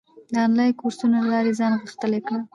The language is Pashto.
د انلاین کورسونو له لارې ځان غښتلی کړه.